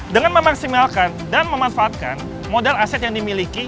dengan memaksimalkan dan memanfaatkan modal aset yang dimiliki